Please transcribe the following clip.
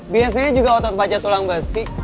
biasanya juga otot pajat tulang besi